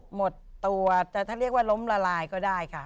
หมดตัวแต่ถ้าเรียกว่าล้มละลายก็ได้ค่ะ